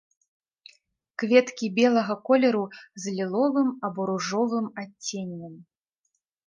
Кветкі белага колеру з ліловым або ружовым адценнем.